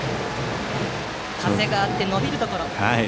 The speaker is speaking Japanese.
風があって伸びるところ。